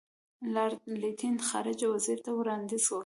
لارډ لیټن خارجه وزیر ته وړاندیز وکړ.